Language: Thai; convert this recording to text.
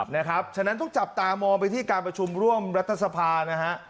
ฉะนั้นต้องจับตามองไปที่การประชุมร่วมรัฐสภานะฮะ